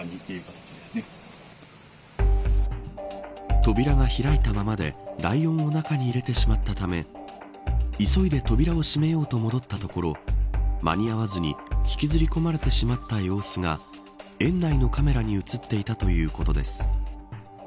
扉が開いたままでライオンを中に入れてしまったため急いで扉を閉めようと戻ったところ間に合わずに引きずり込まれてしまった様子が園内のカメラに映っていたということです。